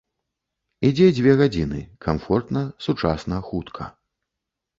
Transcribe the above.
Ідзе дзве гадзіны, камфортна, сучасна, хутка.